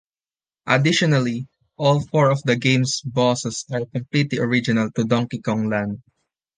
Additionally, all four of the game's bosses are completely original to "Donkey Kong Land".